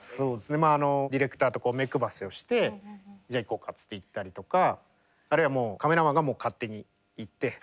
まああのディレクターとこう目くばせをしてじゃあ行こうかっつって行ったりとかあるいはもうカメラマンが勝手に行って撮っちゃう。